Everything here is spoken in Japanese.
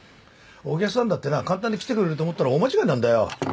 お客さんだってな簡単に来てくれると思ったら大間違いなんだよ。